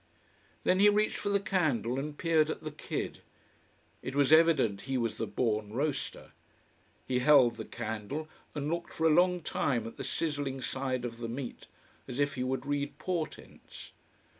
Then he reached for the candle and peered at the kid. It was evident he was the born roaster. He held the candle and looked for a long time at the sizzling side of the meat, as if he would read portents.